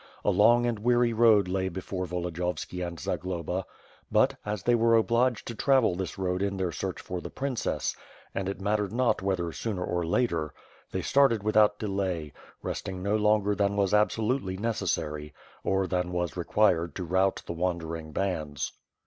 A long and weary road lay before Volodiyov ski and Zagloba; but, as they were obliged to travel this road in their search for the princess, and it mattered not whether sooner or later, they started without delay, resting no longer than was absolutely necessary, or than was required to rout the wandering bands.